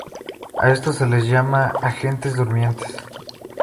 A estos se les llama "agentes durmientes".